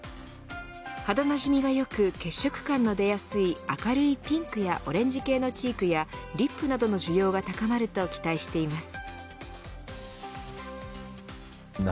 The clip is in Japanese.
肌なじみがよく血色感の出やすい明るいピンクやオレンジ系のチークやリップなどの需要が高まると期待しています。